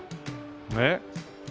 ねっ？